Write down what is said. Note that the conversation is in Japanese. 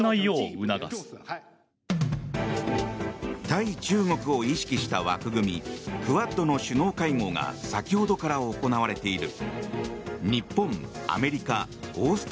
対中国を意識した枠組みクアッドの首脳会合が先ほどから行われている。